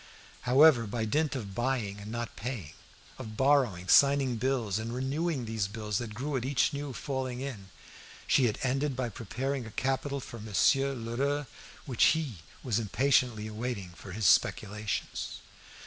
However, by dint of buying and not paying, of borrowing, signing bills, and renewing these bills that grew at each new falling in, she had ended by preparing a capital for Monsieur Lheureux which he was impatiently awaiting for his speculations.